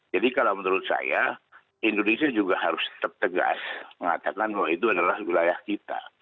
jadi kalau menurut saya indonesia juga harus tertegas mengatakan bahwa itu adalah wilayah kita